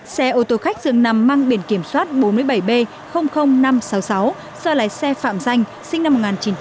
xe ô tô khách dường nằm mang biển kiểm soát bốn mươi bảy b năm trăm sáu mươi sáu do lái xe phạm danh sinh năm một nghìn chín trăm tám mươi